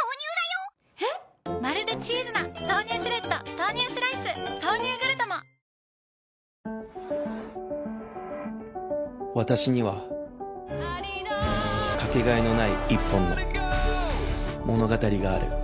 さらに坂口も登場私にはかけがえのない一本の物語がある